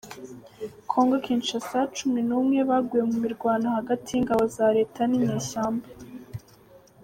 kongo Kinshasa Cumi Numwe baguye mu mirwano hagati y’ingabo za Leta ninyeshyamba